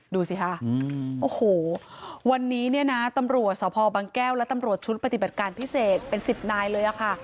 ดูสิค่ะโอ้โหวันนี้เนี่ยนะตำรวจสพบังแก้วและตำรวจชุดปฏิบัติการพิเศษเป็น๑๐นายเลยค่ะ